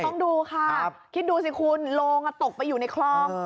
ต้องดูค่ะคิดดูสิคุณโลงตกไปอยู่ในคลอง